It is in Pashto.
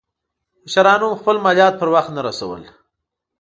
مشرانو هم خپل مالیات پر وخت نه رسول.